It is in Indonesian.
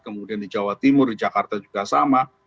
kemudian di jawa timur di jakarta juga sama